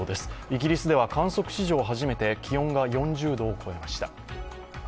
イギリスでは観測史上初めて気温が４０度を超えました。